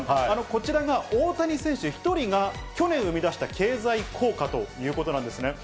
こちらが、大谷選手１人が、去年生み出した経済効果ということなんですね。